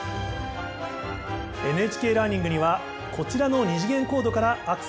ＮＨＫラーニングにはこちらの二次元コードからアクセスできます。